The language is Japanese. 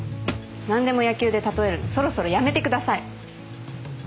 何でも野球で例えるのそろそろやめてください。